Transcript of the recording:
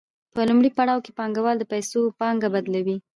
په لومړي پړاو کې پانګوال د پیسو پانګه بدلوي